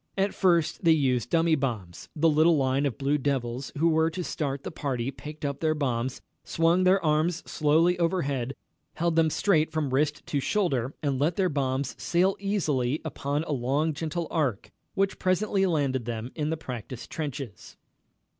At first they used dummy bombs. The little line of Blue Devils who were to start the party picked up their bombs, swung their arms slowly overhead, held them straight from wrist to shoulder, and let their bombs sail easily up on a long, gentle arc, which presently landed them in the practice trenches.